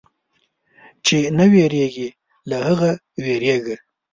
چې نه وېرېږي، له هغه وېرېږه.